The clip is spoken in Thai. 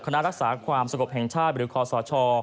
รักษาความสงบแห่งชาติหรือคอสช